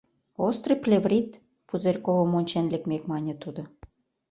— Острый плеврит, — Пузырьковым ончен лекмек, мане тудо.